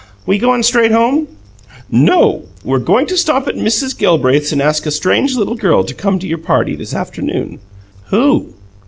"We goin' straight home?" "No. We're going to stop at Mrs. Gelbraith's and ask a strange little girl to come to your party, this afternoon." "Who?"